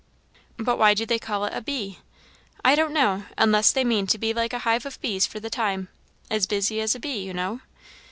"But why do they call it a bee?" "I don't know, unless they mean to be like a hive of bees for the time. 'As busy as a bee,' you know."